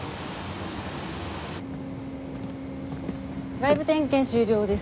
外部点検終了です。